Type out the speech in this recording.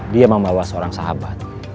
dia membawa seorang sahabat